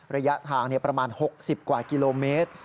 ระยะทางประมาณ๖๐กว่ากิโลเมตร